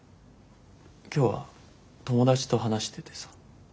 今日は友達と話しててさ。